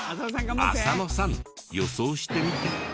浅野さん予想してみて。